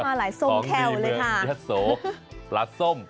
น้ำหลายส้มแควเลยค่ะของดีเมืองเยอะสว์ปลาส้มปลาส้ม